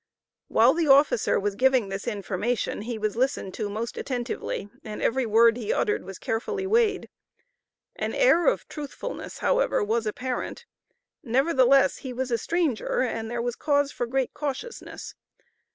While the officer was giving this information he was listened to most attentively, and every word he uttered was carefully weighed. An air of truthfulness, however, was apparent; nevertheless he was a stranger and there was cause for great cautiousness.